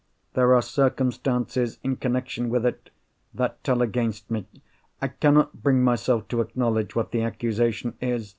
There are circumstances in connexion with it that tell against me. I cannot bring myself to acknowledge what the accusation is.